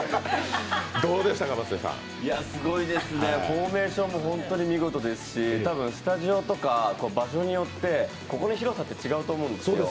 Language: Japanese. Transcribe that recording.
すごいですね、フォーメーションもホント見事ですし多分、スタジオとか場所によって踊る広さって違うと思うんですよ。